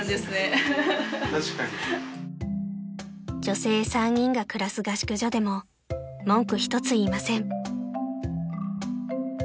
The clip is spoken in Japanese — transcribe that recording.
［女性３人が暮らす合宿所でも文句１つ言いません］